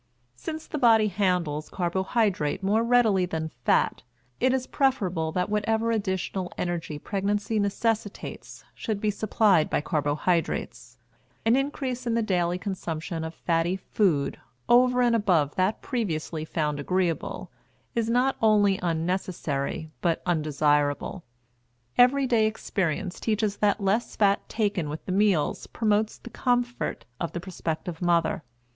Since the body handles carbohydrate more readily than fat, it is preferable that whatever additional energy pregnancy necessitates should be supplied by carbohydrates. An increase in the daily consumption of fatty food, over and above that previously found agreeable, is not only unnecessary but undesirable. Every day experience teaches that less fat taken with the meals promotes the comfort of the prospective mother.